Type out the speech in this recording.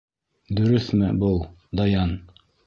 Дөрөҫмө был, Даян?